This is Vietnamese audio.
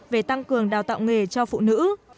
về tăng cường đào tạo nghề cho phụ nữ